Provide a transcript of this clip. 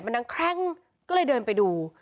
มันดังแคร่งก็เลยเดินไปดู